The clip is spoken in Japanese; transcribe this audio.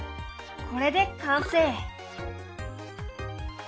これで完成！